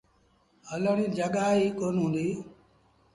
هلڻ ريٚ جآڳآ ئيٚ ڪونا هُݩديٚ۔